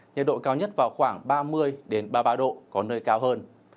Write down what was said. nhiệt độ cao nhất vào khoảng ba mươi ba mươi ba độ có nơi cao hơn